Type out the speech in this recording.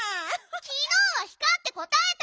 きのうはひかってこたえたんだもん！